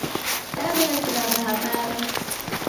Daw'iazighana habari.